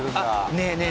ねえねえ